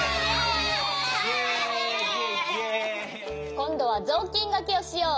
こんどはぞうきんがけをしよう。